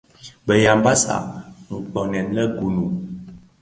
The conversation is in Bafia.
Bë Yambassa nkpoňèn le (Gunu),